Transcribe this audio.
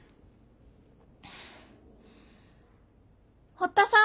・堀田さん。